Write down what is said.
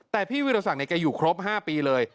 แต่พี่วิรสักแกอยู่ครบ๕ปีเลย